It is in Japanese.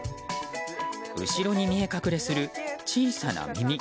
後ろに見え隠れする、小さな耳。